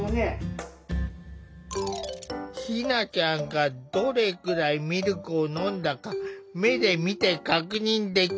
ひなちゃんがどれくらいミルクを飲んだか目で見て確認できない。